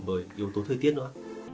bởi yếu tố thời tiết nữa